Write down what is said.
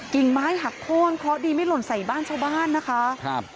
กิ่งไม้หักโค้นเคราะห์ดีไม่หล่นใส่บ้านชาวบ้านนะคะครับ